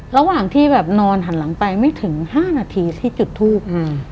ระหว่างที่แบบนอนหันหลังไปไม่ถึง๕นาทีที่จุดทูบ